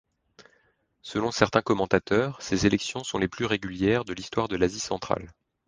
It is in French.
Selon certains commentateurs, ces élections sont les plus régulières de l'histoire de l'Asie-centrale.